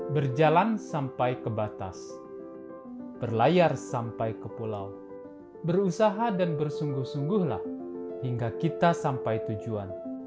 berjalan sampai ke batas berlayar sampai ke pulau berusaha dan bersungguh sungguhlah hingga kita sampai tujuan